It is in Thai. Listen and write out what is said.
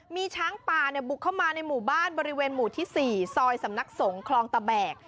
มีช้างป่าบุกเข้ามาในหมู่บ้านบริเวณหมู่ที่๔ซอยสำนักสงฆ์คลองตะแบก